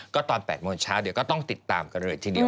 ก็ตอน๘โมงเช้าเดี๋ยวก็ต้องติดตามกันเลยทีเดียว